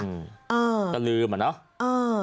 ก็ลืมอ่ะเนาะ